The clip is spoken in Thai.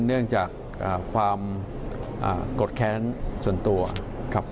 เนื่องจากความโกรธแค้นส่วนตัวครับ